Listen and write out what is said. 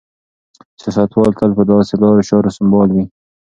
سیاستوال تل په داسې لارو چارو سمبال وي.